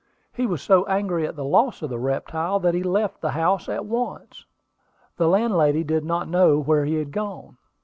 He was so angry at the loss of the reptile that he left the house at once. The landlady did not know where he had gone.